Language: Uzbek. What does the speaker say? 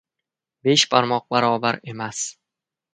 • Besh barmoq barobar emas.